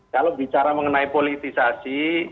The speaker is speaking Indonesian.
kalau bicara mengenai politisasi